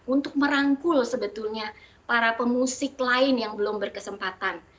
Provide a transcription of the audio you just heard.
untuk merangkul sebetulnya para pemusik lain yang belum berkesempatan